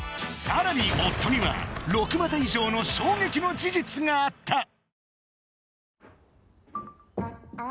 さらに夫には６股以上の衝撃の事実があった！